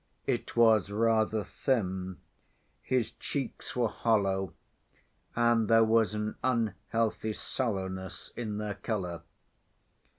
It was rather thin, his cheeks were hollow, and there was an unhealthy sallowness in their color.